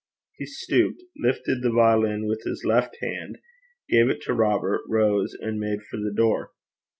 He stooped, lifted the violin with his left hand, gave it to Robert, rose, and made for the door.